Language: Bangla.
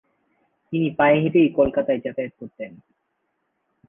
তিনি পায়ে হেঁটেই কলকাতায় যাতায়াত করতেন।